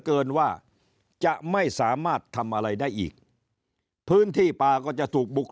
เกินว่าจะไม่สามารถทำอะไรได้อีกพื้นที่ป่าก็จะถูกบุก